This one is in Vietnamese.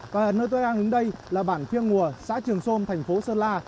và nơi tôi đang đứng đây là bản phiêng ngùa xã trường sôm thành phố sơn la